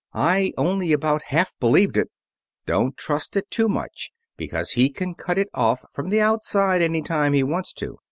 I only about half believed it." "Don't trust it too much, because he can cut it off from the outside any time he wants to.